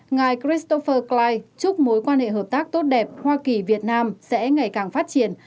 ngài christopher cline chúc mối quan hệ hợp tác tốt đẹp hoa kỳ việt nam sẽ ngày càng phát triển